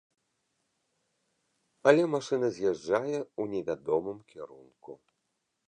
Але машына з'язджае ў невядомым кірунку.